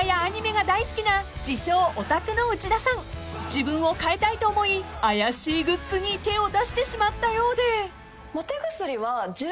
［自分を変えたいと思い怪しいグッズに手を出してしまったようで］